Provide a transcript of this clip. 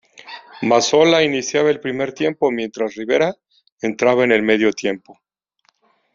Mazzola iniciaba el primer tiempo mientras Rivera entraba en el medio tiempo.